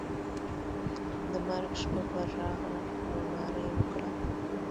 د مرګ شپه پر راغله نو ناره یې وکړه.